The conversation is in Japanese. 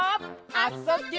「あ・そ・ぎゅ」